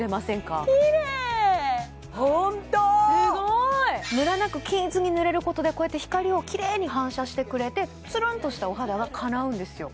すごいホントムラなく均一に塗れることでこうやって光をキレイに反射してくれてつるんとしたお肌がかなうんですよ